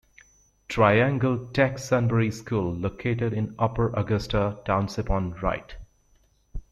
Triangle Tech Sunbury School located in Upper Augusta Township on Rt.